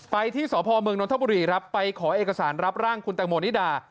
ไปที่สพเมืองนทบุรีครับไปขอเอกสารรับร่างคุณแตงโมนิดา